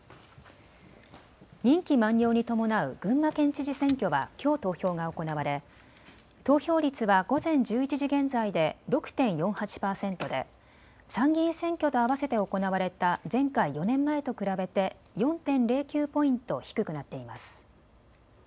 任期満了に伴う群馬県知事選挙はきょう投票が行われ投票率は午前１１時現在で６．４８％で参議院選挙とあわせて行われた前回４年前と比べて４．０９ポイント低くなっています。